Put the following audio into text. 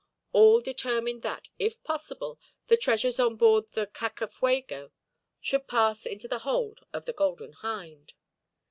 All determined that, if possible, the treasures on board the Cacafuego should pass into the hold of the Golden Hind.